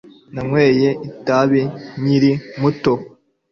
nanyweye itabi nkiri muto